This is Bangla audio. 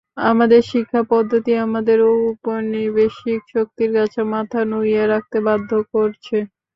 আমাদের শিক্ষা-পদ্ধতি আমাদের ঔপনিবেশিক শক্তির কাছে মাথা নুইয়ে রাখতে বাধ্য করছে।